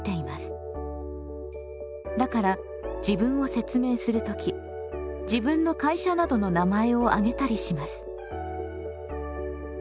だから自分を説明する時自分の会社などの名前を挙げたりします。